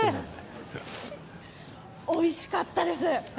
おいしかったです。